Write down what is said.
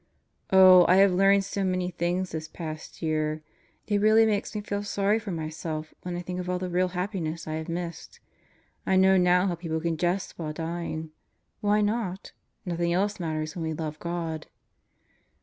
Oh, I have learned so many things this past year. It really makes me feel sorry for myself when I think of all the real happiness I have missed. I know now how people can jest while dying. Why not? Nothing else matters when we love God.